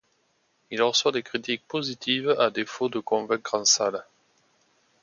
Il reçoit des critiques positives, à défaut de convaincre en salles.